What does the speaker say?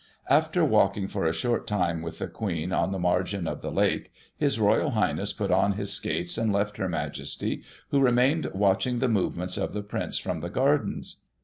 After walking for a short time with the Queen, on the margin of the lake, His Royal Highness put on his skates, and left Her Majesty, who remained watching the movements of the Prince from the gardens.